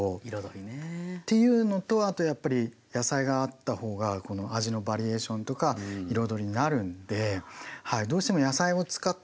っていうのとあとやっぱり野菜があった方が味のバリエーションとか彩りになるんでどうしても野菜を使った